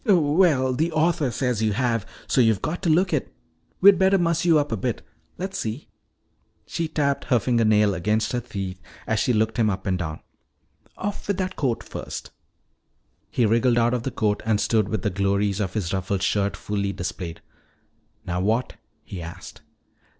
"Well, the author says you have, so you've got to look it. We'd better muss you up a bit. Let's see." She tapped her fingernail against her teeth as she looked him up and down. "Off with that coat first." He wriggled out of the coat and stood with the glories of his ruffled shirt fully displayed. "Now what?" he asked.